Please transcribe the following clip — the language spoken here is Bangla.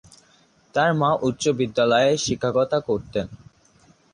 তার মা উচ্চ বিদ্যালয়ে শিক্ষকতা করতেন।